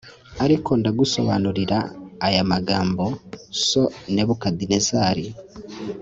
ariko ndagusobanurira aya magambo So Nebukadinezari